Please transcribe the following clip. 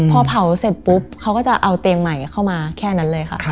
พอเผาเสร็จปุ๊บเขาก็จะเอาเตียงใหม่เข้ามาแค่นั้นเลยค่ะ